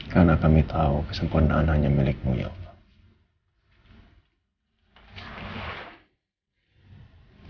karena kami tahu kesempurnaan hanya milikmu ya allah